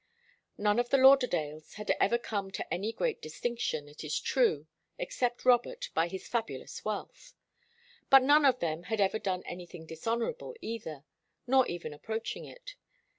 None of the Lauderdales had ever come to any great distinction, it is true, except Robert, by his fabulous wealth. But none of them had ever done anything dishonourable either, nor even approaching it.